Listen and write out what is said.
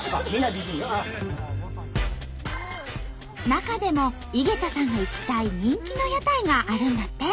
中でも井桁さんが行きたい人気の屋台があるんだって。